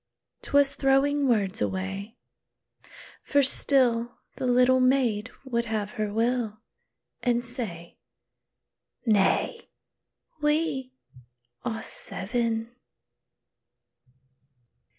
'T was throwing words away; for still The little maid would have her will, And say, "Nay, we are seven!"